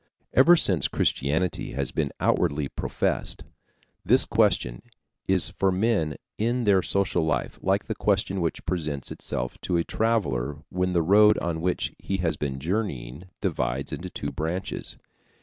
Ever since Christianity has been outwardly professed, this question is for men in their social life like the question which presents itself to a traveler when the road on which he has been journeying divides into two branches.